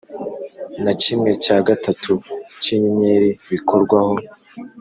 na kimwe cya gatatu cy’inyenyeri bikorwaho,